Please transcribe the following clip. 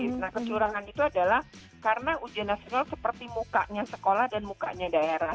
nah kecurangan itu adalah karena ujian nasional seperti mukanya sekolah dan mukanya daerah